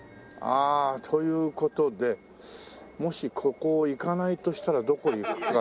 ああという事でもしここを行かないとしたらどこ行くか。